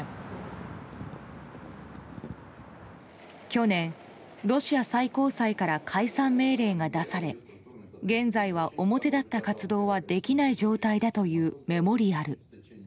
去年、ロシア最高裁から解散命令が出され現在は表立った活動はできない状態だというメモリアル。